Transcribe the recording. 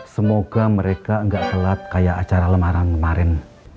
semoga mereka enggak telat kayak acara lemaran kemarin